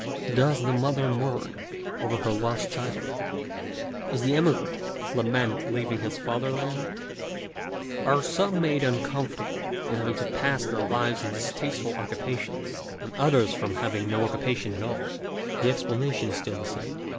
does the mother mourn over her lost child ? does the emigrant lament leaving his father land ? are some made uncomfortable by having to pass their lives in distasteful occupations, and others from having no oc cupation at all ? the explanation is still the same.